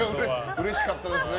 うれしかったですね